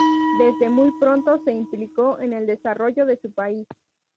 Desde muy pronto, se implicó en el desarrollo de su país.